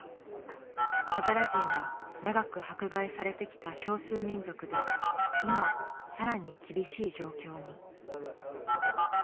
ハザラ人は長く迫害されてきた少数民族で今さらに厳しい状況に。